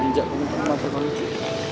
nja aku mau masuk masukin